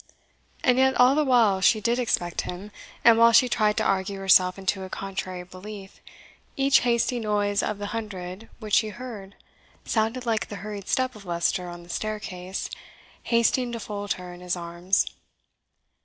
And yet all the while she did expect him; and while she tried to argue herself into a contrary belief, each hasty noise of the hundred which she heard sounded like the hurried step of Leicester on the staircase, hasting to fold her in his arms.